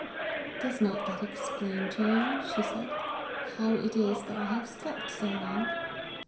'Does not that explain to you,' she said, 'how it is that I have slept so long?